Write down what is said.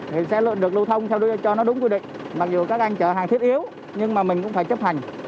thì sẽ được lưu thông cho nó đúng quy định mặc dù các anh chở hàng thiết yếu nhưng mà mình cũng phải chấp hành